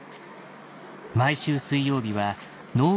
毎週水曜日はノー